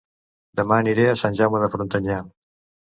Dema aniré a Sant Jaume de Frontanyà